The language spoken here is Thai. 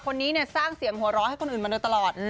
คนนี้เนี่ยสร้างเสียงหัวเราะให้คนอื่นมาโดยตลอด